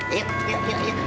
ayo yuk yuk yuk yuk